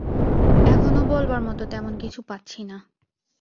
এখনো বলবার মতো তেমন কিছু পাচ্ছি না।